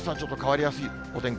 あすはちょっと変わりやすいお天気。